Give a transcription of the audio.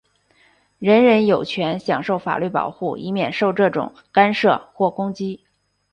人人有权享受法律保护,以免受这种干涉或攻击。